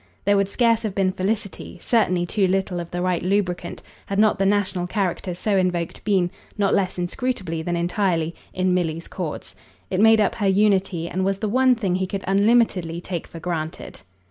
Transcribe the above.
There would scarce have been felicity certainly too little of the right lubricant had not the national character so invoked been, not less inscrutably than entirely, in Milly's chords. It made up her unity and was the one thing he could unlimitedly take for granted.